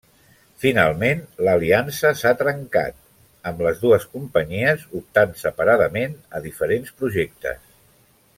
Finalment, l'aliança s'ha trencat, amb les dues companyies optant separadament a diferents projectes.